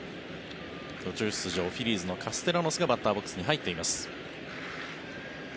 途中出場、フィリーズのカステラノスがバッターボックスに入っています。